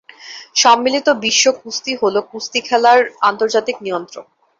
সম্মিলিত বিশ্ব কুস্তি হল কুস্তি খেলার আন্তর্জাতিক নিয়ন্ত্রক।